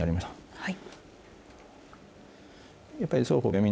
はい。